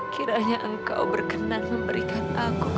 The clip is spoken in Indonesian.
kiranya engkau berkenan memberikan aku